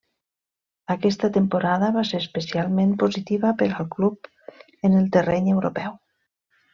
Aquesta temporada va ser especialment positiva per al club en el terreny europeu.